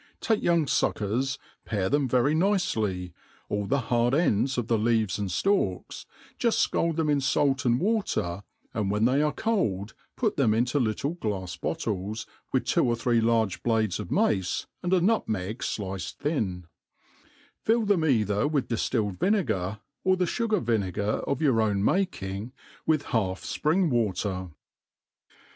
TAKE young fuckers^ pare them very nicely, all the hard ends of the leaves and ftalks, juft fcald them in fait and water, and when they are cold put them into little glafs bottles, with two or three large blades of mace, and a nutmeg diced thin ; fill them cither with diftilled vinegar, or the fugar vinegar of your own making, with half fpring water.